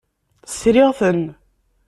Sriɣ-ten.